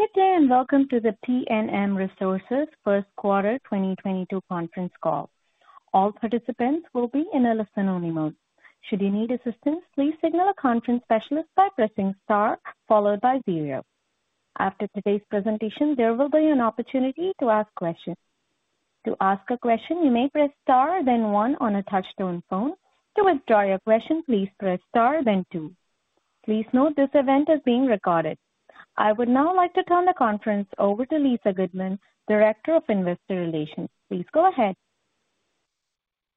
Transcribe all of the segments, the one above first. Good day, and welcome to the PNM Resources Q1 2022 conference call. All participants will be in a listen-only mode. Should you need assistance, please signal a conference specialist by pressing star followed by zero. After today's presentation, there will be an opportunity to ask questions. To ask a question, you may press star then one on a touch-tone phone. To withdraw your question, please press star then two. Please note this event is being recorded. I would now like to turn the conference over to Lisa Goodman, Director of Investor Relations. Please go ahead.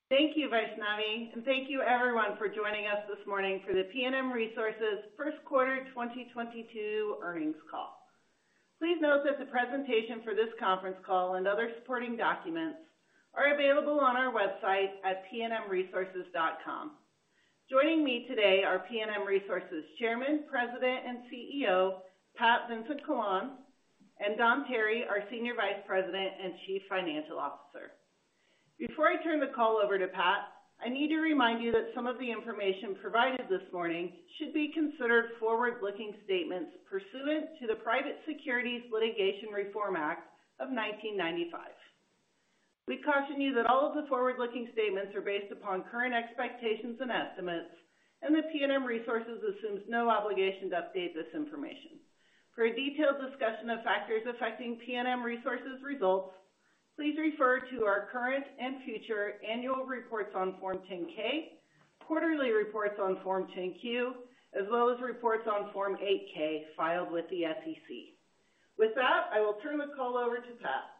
Thank you, Vaishnavi, and thank you everyone for joining us this morning for the PNM Resources Q1 2022 earnings call. Please note that the presentation for this conference call and other supporting documents are available on our website at pnmresources.com. Joining me today are PNM Resources Chairman, President, and CEO, Pat Vincent-Collawn, and Don Tarry, our Senior Vice President and Chief Financial Officer. Before I turn the call over to Pat, I need to remind you that some of the information provided this morning should be considered forward-looking statements pursuant to the Private Securities Litigation Reform Act of 1995. We caution you that all of the forward-looking statements are based upon current expectations and estimates, and the PNM Resources assumes no obligation to update this information. For a detailed discussion of factors affecting PNM Resources results, please refer to our current and future annual reports on Form 10-K, quarterly reports on Form 10-Q, as well as reports on Form 8-K filed with the SEC. With that, I will turn the call over to Pat.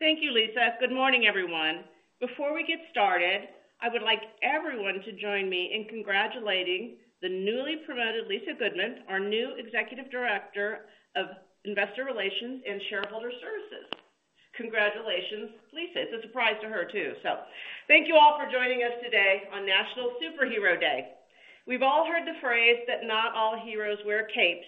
Thank you, Lisa. Good morning, everyone. Before we get started, I would like everyone to join me in congratulating the newly promoted Lisa Goodman, our new Executive Director of Investor Relations and Shareholder Services. Congratulations, Lisa. It's a surprise to her too. Thank you all for joining us today on National Superhero Day. We've all heard the phrase that not all heroes wear capes.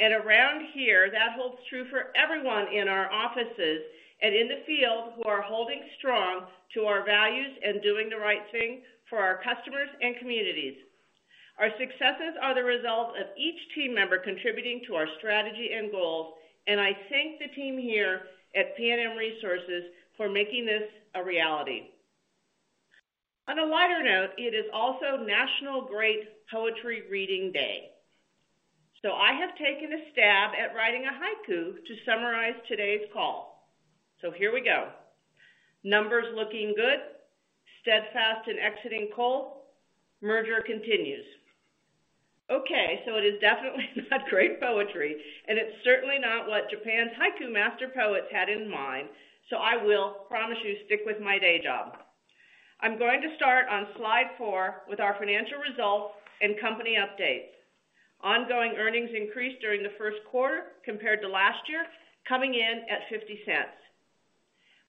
Around here, that holds true for everyone in our offices and in the field who are holding strong to our values and doing the right thing for our customers and communities. Our successes are the result of each team member contributing to our strategy and goals, and I thank the team here at PNM Resources for making this a reality. On a lighter note, it is also National Great Poetry Reading Day. I have taken a stab at writing a haiku to summarize today's call. Here we go. Numbers looking good. Steadfast in exiting coal. Merger continues. Okay, it is definitely not great poetry, and it's certainly not what Japan's haiku master poets had in mind, so I will promise you, stick with my day job. I'm going to start on slide four with our financial results and company updates. Ongoing earnings increased during the Q1 compared to last year, coming in at $0.50.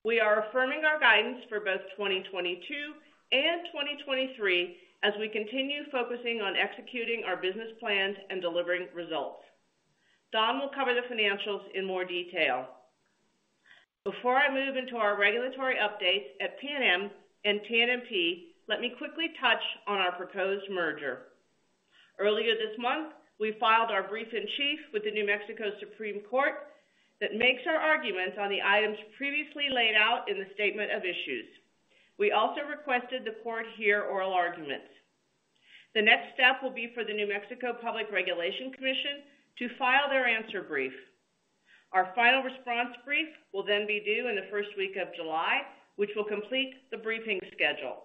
We are affirming our guidance for both 2022 and 2023 as we continue focusing on executing our business plans and delivering results. Don Tarry will cover the financials in more detail. Before I move into our regulatory updates at PNM and TNMP, let me quickly touch on our proposed merger. Earlier this month, we filed our brief-in-chief with the New Mexico Supreme Court that makes our arguments on the items previously laid out in the statement of issues. We also requested the court hear oral arguments. The next step will be for the New Mexico Public Regulation Commission to file their answer brief. Our final response brief will then be due in the first week of July, which will complete the briefing schedule.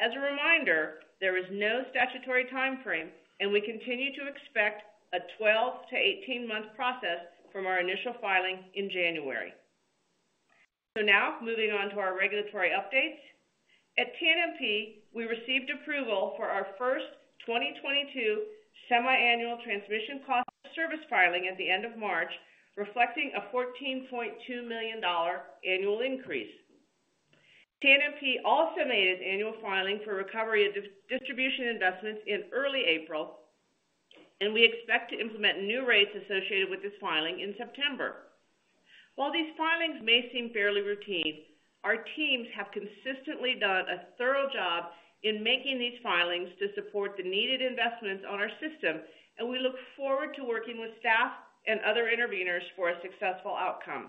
As a reminder, there is no statutory timeframe, and we continue to expect a 12-18-month process from our initial filing in January. Now moving on to our regulatory updates. At TNMP, we received approval for our first 2022 semi-annual transmission cost of service filing at the end of March, reflecting a $14.2 million annual increase. TNMP also made its annual filing for recovery of distribution investments in early April, and we expect to implement new rates associated with this filing in September. While these filings may seem fairly routine, our teams have consistently done a thorough job in making these filings to support the needed investments on our system, and we look forward to working with staff and other interveners for a successful outcome.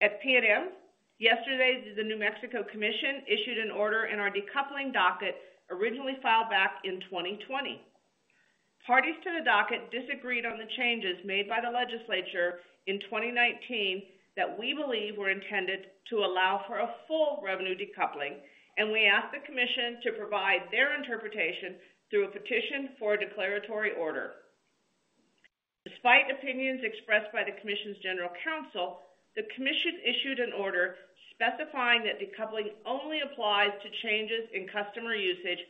At PNM, yesterday, the New Mexico Commission issued an order in our decoupling docket, originally filed back in 2020. Parties to the docket disagreed on the changes made by the legislature in 2019 that we believe were intended to allow for a full revenue decoupling, and we asked the commission to provide their interpretation through a petition for declaratory order. Despite opinions expressed by the commission's general counsel, the commission issued an order specifying that decoupling only applies to changes in customer usage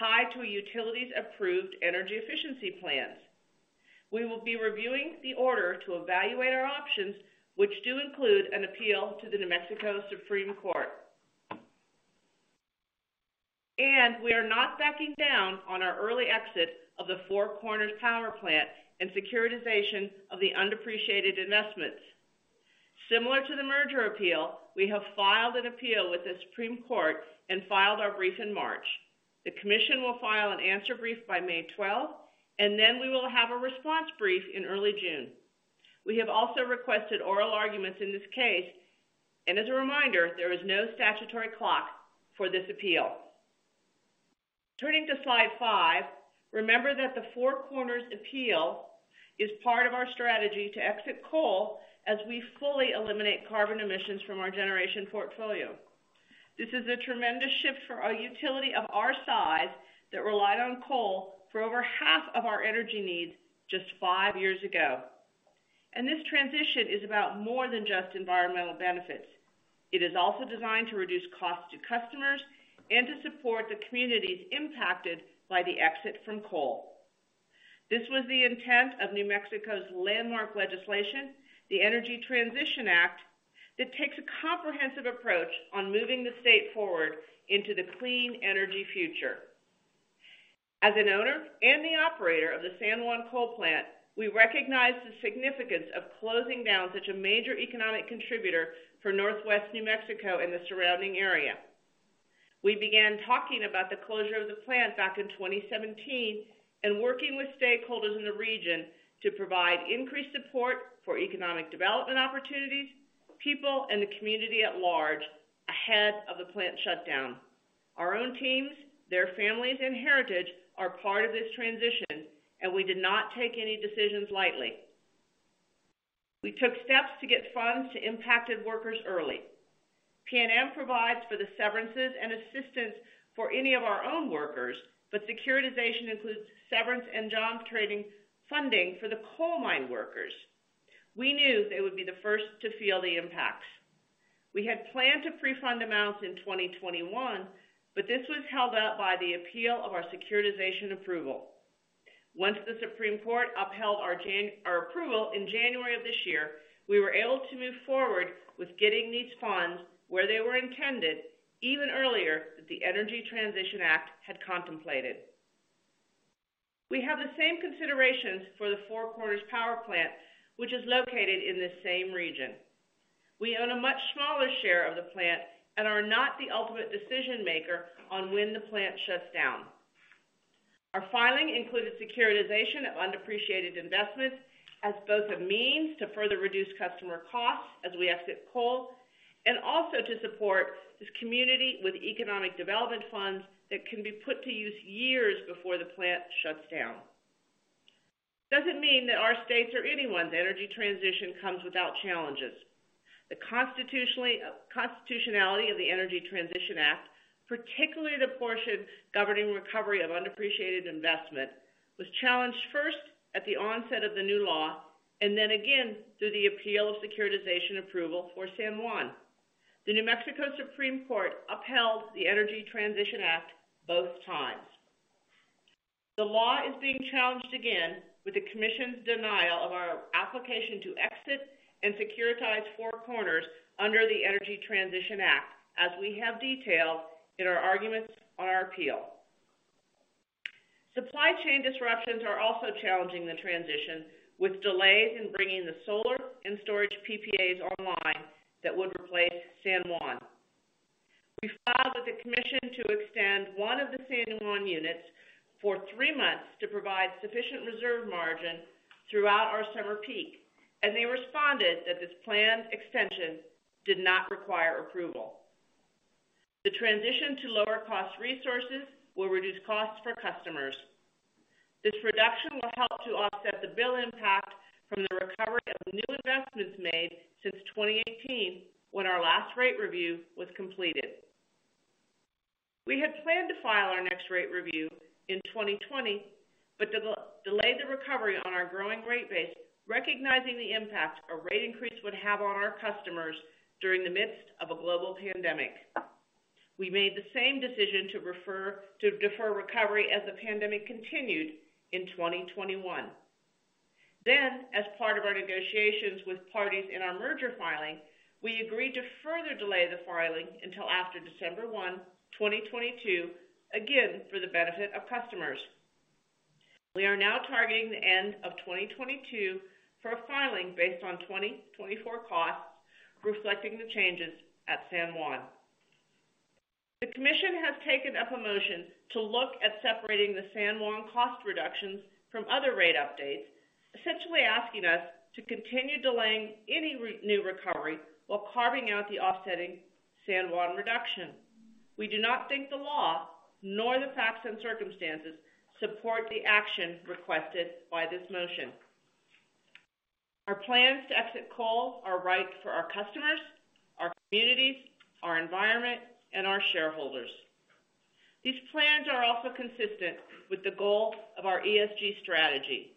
tied to a utility's approved energy efficiency plans. We will be reviewing the order to evaluate our options, which do include an appeal to the New Mexico Supreme Court. We are not backing down on our early exit of the Four Corners Power Plant and securitization of the undepreciated investments. Similar to the merger appeal, we have filed an appeal with the Supreme Court and filed our brief in March. The commission will file an answer brief by May 12, and then we will have a response brief in early June. We have also requested oral arguments in this case. As a reminder, there is no statutory clock for this appeal. Turning to slide five, remember that the Four Corners appeal is part of our strategy to exit coal as we fully eliminate carbon emissions from our generation portfolio. This is a tremendous shift for a utility of our size that relied on coal for over half of our energy needs just five years ago. This transition is about more than just environmental benefits. It is also designed to reduce costs to customers and to support the communities impacted by the exit from coal. This was the intent of New Mexico's landmark legislation, the Energy Transition Act, that takes a comprehensive approach on moving the state forward into the clean energy future. As an owner and the operator of the San Juan Generating Station, we recognize the significance of closing down such a major economic contributor for Northwest New Mexico and the surrounding area. We began talking about the closure of the plant back in 2017 and working with stakeholders in the region to provide increased support for economic development opportunities, people, and the community at large ahead of the plant shutdown. Our own teams, their families, and heritage are part of this transition, and we did not take any decisions lightly. We took steps to get funds to impacted workers early. PNM provides for the severances and assistance for any of our own workers, but securitization includes severance and job training funding for the coal mine workers. We knew they would be the first to feel the impacts. We had planned to pre-fund amounts in 2021, but this was held up by the appeal of our securitization approval. Once the Supreme Court upheld our approval in January of this year, we were able to move forward with getting these funds where they were intended even earlier than the Energy Transition Act had contemplated. We have the same considerations for the Four Corners Power Plant, which is located in the same region. We own a much smaller share of the plant and are not the ultimate decision-maker on when the plant shuts down. Our filing included securitization of undepreciated investments as both a means to further reduce customer costs as we exit coal, and also to support this community with economic development funds that can be put to use years before the plant shuts down. Doesn't mean that our states or anyone's energy transition comes without challenges. The constitutionality of the Energy Transition Act, particularly the portion governing recovery of undepreciated investment, was challenged first at the onset of the new law, and then again through the appeal of securitization approval for San Juan. The New Mexico Supreme Court upheld the Energy Transition Act both times. The law is being challenged again with the commission's denial of our application to exit and securitize Four Corners under the Energy Transition Act, as we have detailed in our arguments on our appeal. Supply chain disruptions are also challenging the transition, with delays in bringing the solar and storage PPAs online that would replace San Juan. We filed with the commission to extend one of the San Juan units for three months to provide sufficient reserve margin throughout our summer peak, and they responded that this planned extension did not require approval. The transition to lower cost resources will reduce costs for customers. This reduction will help to offset the bill impact from the recovery of new investments made since 2018 when our last rate review was completed. We had planned to file our next rate review in 2020, but delayed the recovery on our growing rate base, recognizing the impact a rate increase would have on our customers during the midst of a global pandemic. We made the same decision to defer recovery as the pandemic continued in 2021. As part of our negotiations with parties in our merger filing, we agreed to further delay the filing until after December 1, 2022, again, for the benefit of customers. We are now targeting the end of 2022 for a filing based on 2024 costs, reflecting the changes at San Juan. The commission has taken up a motion to look at separating the San Juan cost reductions from other rate updates, essentially asking us to continue delaying any new recovery while carving out the offsetting San Juan reduction. We do not think the law nor the facts and circumstances support the action requested by this motion. Our plans to exit coal are right for our customers, our communities, our environment, and our shareholders. These plans are also consistent with the goal of our ESG strategy.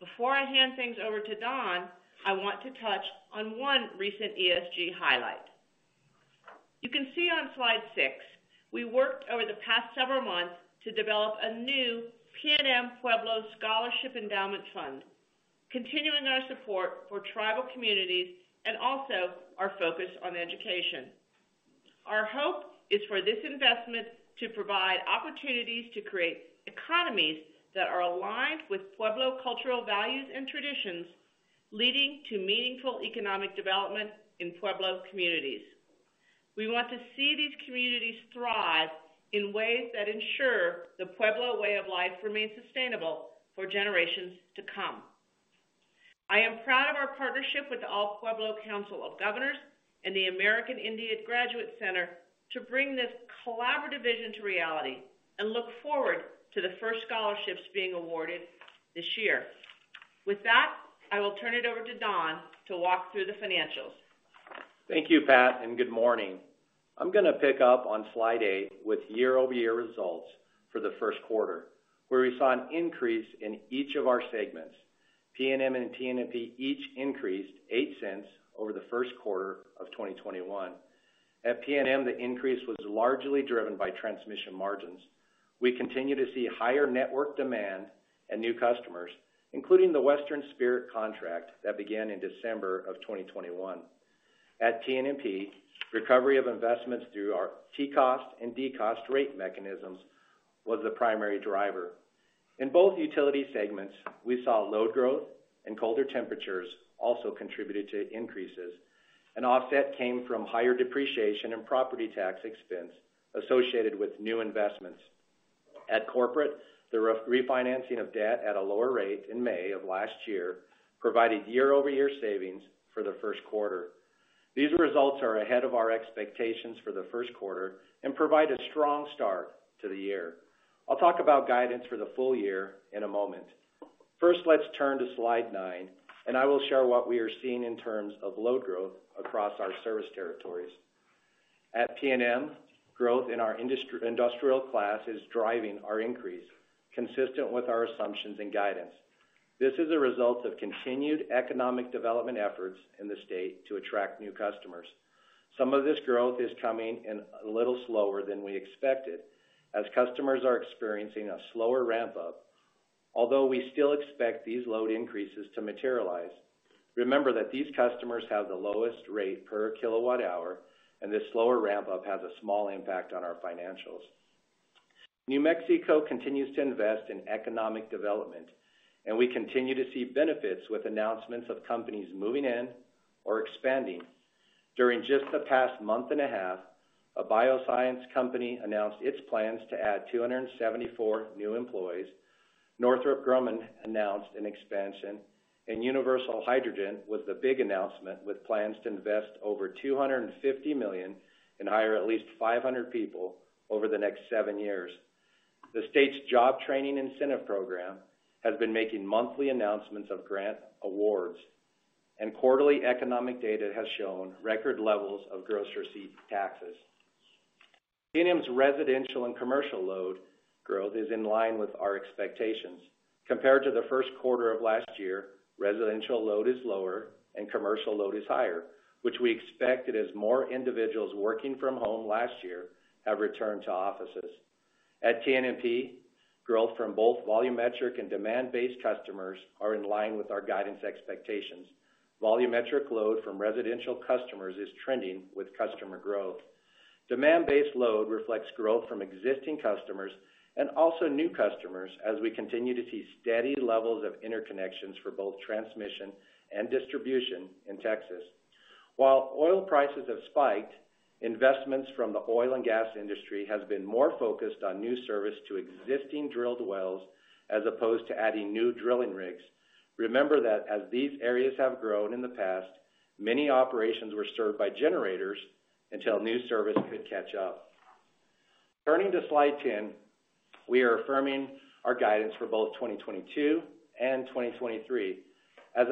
Before I hand things over to Don, I want to touch on one recent ESG highlight. You can see on slide six, we worked over the past several months to develop a new PNM Pueblo Scholarship Endowment Fund, continuing our support for tribal communities and also our focus on education. Our hope is for this investment to provide opportunities to create economies that are aligned with Pueblo cultural values and traditions, leading to meaningful economic development in Pueblo communities. We want to see these communities thrive in ways that ensure the Pueblo way of life remains sustainable for generations to come. I am proud of our partnership with All Pueblo Council of Governors and the American Indian Graduate Center to bring this collaborative vision to reality and look forward to the first scholarships being awarded this year. With that, I will turn it over to Don to walk through the financials. Thank you, Pat, and good morning. I'm gonna pick up on slide eight with year-over-year results for the Q1, where we saw an increase in each of our segments. PNM and TNMP each increased $0.08 over the Q1 of 2021. At PNM, the increase was largely driven by transmission margins. We continue to see higher network demand and new customers, including the Western Spirit contract that began in December 2021. At TNMP, recovery of investments through our TCOS and DCRF rate mechanisms was the primary driver. In both utility segments, we saw load growth and colder temperatures also contributed to increases. An offset came from higher depreciation and property tax expense associated with new investments. At corporate, the refinancing of debt at a lower rate in May of last year provided year-over-year savings for the Q1. These results are ahead of our expectations for the Q1 and provide a strong start to the year. I'll talk about guidance for the full year in a moment. First, let's turn to slide nine, and I will share what we are seeing in terms of load growth across our service territories. At PNM, growth in our industrial class is driving our increase, consistent with our assumptions and guidance. This is a result of continued economic development efforts in the state to attract new customers. Some of this growth is coming in a little slower than we expected, as customers are experiencing a slower ramp-up. Although we still expect these load increases to materialize, remember that these customers have the lowest rate per kilowatt hour, and this slower ramp-up has a small impact on our financials. New Mexico continues to invest in economic development, and we continue to see benefits with announcements of companies moving in or expanding. During just the past month and a half, a bioscience company announced its plans to add 274 new employees. Northrop Grumman announced an expansion, and Universal Hydrogen was the big announcement, with plans to invest over $250 million and hire at least 500 people over the next seven years. The state's job training incentive program has been making monthly announcements of grant awards, and quarterly economic data has shown record levels of gross receipts tax. PNM's residential and commercial load growth is in line with our expectations. Compared to the Q1 of last year, residential load is lower and commercial load is higher, which we expected as more individuals working from home last year have returned to offices. At TNMP, growth from both volumetric and demand-based customers are in line with our guidance expectations. Volumetric load from residential customers is trending with customer growth. Demand-based load reflects growth from existing customers and also new customers as we continue to see steady levels of interconnections for both transmission and distribution in Texas. While oil prices have spiked, investments from the oil and gas industry has been more focused on new service to existing drilled wells as opposed to adding new drilling rigs. Remember that as these areas have grown in the past, many operations were served by generators until new service could catch up. Turning to slide 10, we are affirming our guidance for both 2022 and 2023. As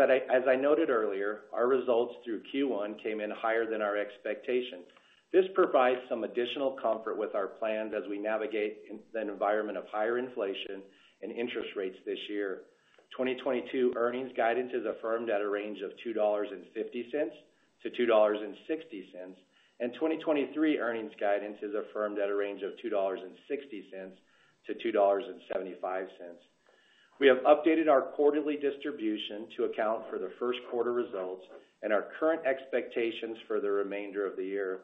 I noted earlier, our results through Q1 came in higher than our expectations. This provides some additional comfort with our plans as we navigate in an environment of higher inflation and interest rates this year. 2022 earnings guidance is affirmed at a range of $2.50-$2.60, and 2023 earnings guidance is affirmed at a range of $2.60-$2.75. We have updated our quarterly distribution to account for the Q1 results and our current expectations for the remainder of the year.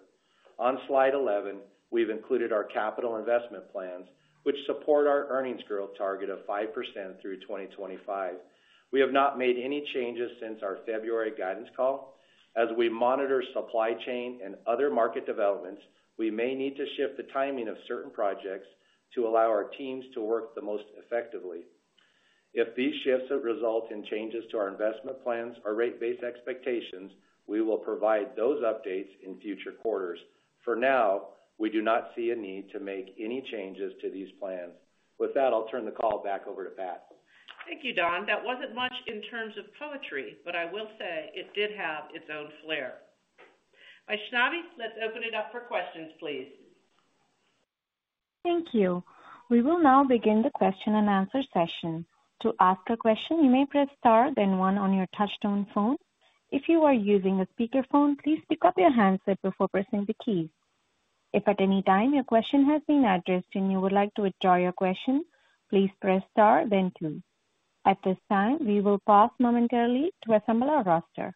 On slide 11, we've included our capital investment plans, which support our earnings growth target of 5% through 2025. We have not made any changes since our February guidance call. As we monitor supply chain and other market developments, we may need to shift the timing of certain projects to allow our teams to work the most effectively. If these shifts result in changes to our investment plans or rate-based expectations, we will provide those updates in future quarters. For now, we do not see a need to make any changes to these plans. With that, I'll turn the call back over to Pat. Thank you, Don. That wasn't much in terms of poetry, but I will say it did have its own flair. Vaishnavi, let's open it up for questions, please. Thank you. We will now begin the question and answer session. To ask a question, you may press star, then one on your touchtone phone. If you are using a speakerphone, please pick up your handset before pressing the keys. If at any time your question has been addressed and you would like to withdraw your question, please press star, then two. At this time, we will pause momentarily to assemble our roster.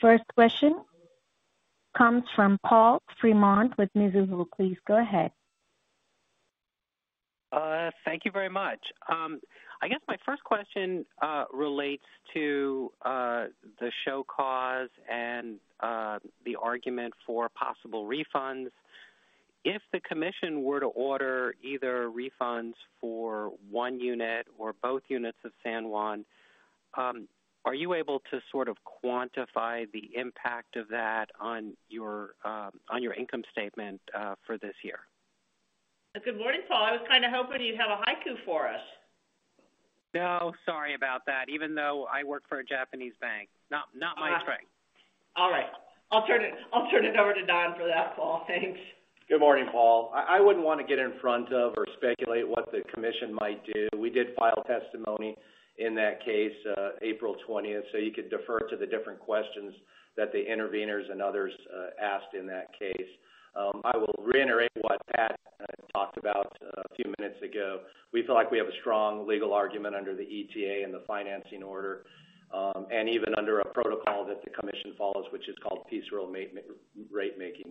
The first question comes from Paul Fremont with Mizuho. Please go ahead. Thank you very much. I guess my first question relates to the show cause and the argument for possible refunds. If the commission were to order either refunds for one unit or both units of San Juan, are you able to sort of quantify the impact of that on your on your income statement for this year? Good morning, Paul. I was kind of hoping you'd have a haiku for us. No, sorry about that. Even though I work for a Japanese bank. Not my strength. All right. I'll turn it over to Don for that, Paul. Thanks. Good morning, Paul. I wouldn't want to get in front of or speculate what the commission might do. We did file testimony in that case, April 20th, so you could defer to the different questions that the interveners and others asked in that case. I will reiterate what Pat talked about a few minutes ago. We feel like we have a strong legal argument under the ETA and the financing order, and even under a protocol that the commission follows, which is called piecemeal ratemaking.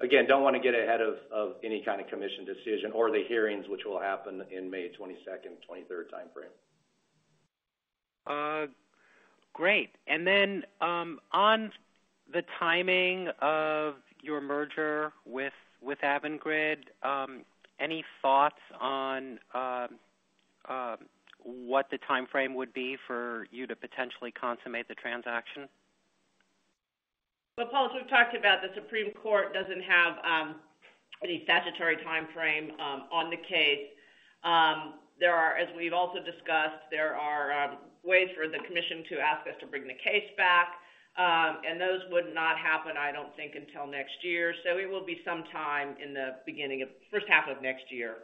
Again, don't want to get ahead of any kind of commission decision or the hearings which will happen in May 22nd-23rd timeframe. Great. On the timing of your merger with Avangrid, any thoughts on what the timeframe would be for you to potentially consummate the transaction? Well, Paul, as we've talked about, the New Mexico Supreme Court doesn't have any statutory timeframe on the case. As we've also discussed, there are ways for the commission to ask us to bring the case back, and those would not happen, I don't think, until next year. It will be some time in the beginning of H1 of next year.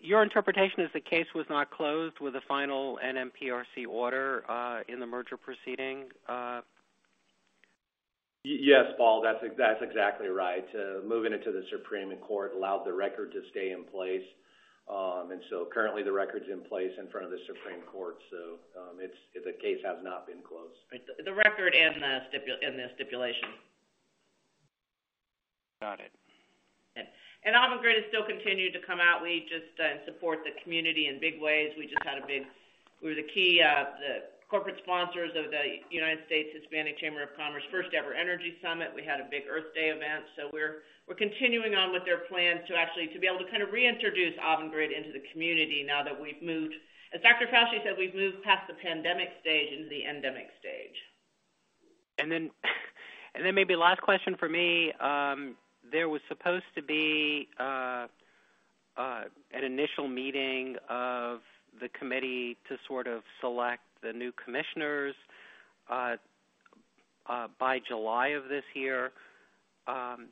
Your interpretation is the case was not closed with a final NMPRC order in the merger proceeding. Yes, Paul, that's exactly right. Moving into the Supreme Court allowed the record to stay in place. Currently the record's in place in front of the Supreme Court. The case has not been closed. The record and the stipulation. Got it. Avangrid is still continuing to come out. We just support the community in big ways. We were the key corporate sponsors of the United States Hispanic Chamber of Commerce first ever energy summit. We had a big Earth Day event. We're continuing on with their plans to actually be able to kind of reintroduce Avangrid into the community now that we've moved. As Dr. Fauci said, we've moved past the pandemic stage into the endemic stage. Maybe last question for me. There was supposed to be an initial meeting of the committee to sort of select the new commissioners by July of this year. Can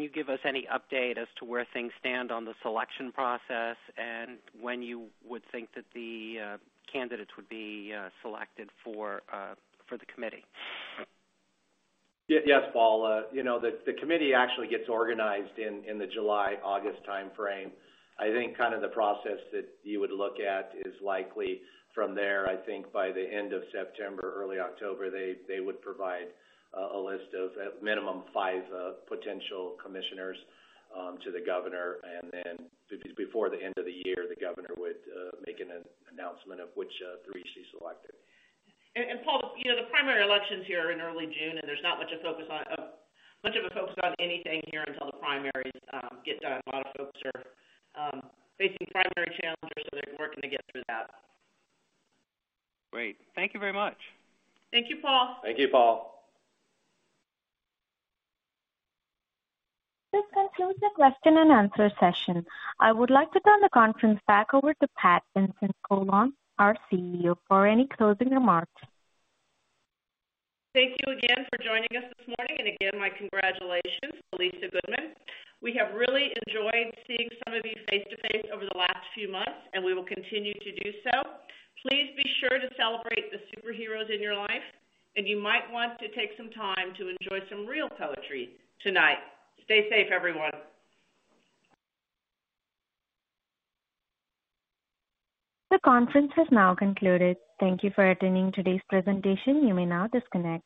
you give us any update as to where things stand on the selection process and when you would think that the candidates would be selected for the committee? Yes, Paul. You know, the committee actually gets organized in the July/August timeframe. I think kind of the process that you would look at is likely from there. I think by the end of September, early October, they would provide a list of minimum five potential commissioners to the governor. Then before the end of the year, the governor would make an announcement of which three she selected. Paul, you know, the primary elections here are in early June, and there's not much of a focus on anything here until the primaries get done. A lot of folks are facing primary challenges, so they're working to get through that. Great. Thank you very much. Thank you, Paul. Thank you, Paul. This concludes the question and answer session. I would like to turn the conference back over to Pat Vincent-Collawn, our CEO, for any closing remarks. Thank you again for joining us this morning. Again, my congratulations to Lisa Goodman. We have really enjoyed seeing some of you face-to-face over the last few months, and we will continue to do so. Please be sure to celebrate the superheroes in your life, and you might want to take some time to enjoy some real poetry tonight. Stay safe, everyone. The conference has now concluded. Thank you for attending today's presentation. You may now disconnect.